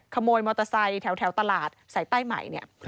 ขโมยมอเตอร์ไซต์แถวตลาดใส่ใต้ใหม่